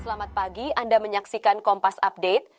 selamat pagi anda menyaksikan kompas update